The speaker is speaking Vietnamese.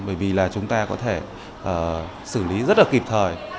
bởi vì là chúng ta có thể xử lý rất là kịp thời